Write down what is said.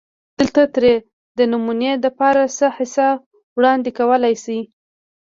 دلته ترې دنمونې دپاره څۀ حصه وړاندې کولی شي